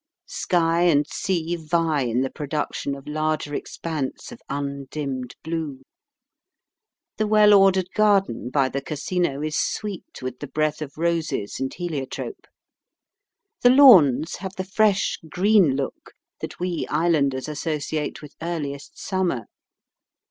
Sky and sea vie in the production of larger expanse of undimmed blue. The well ordered garden by the Casino is sweet with the breath of roses and heliotrope. The lawns have the fresh green look that we islanders associate with earliest summer.